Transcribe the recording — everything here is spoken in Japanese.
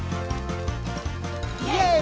「イェーイ！」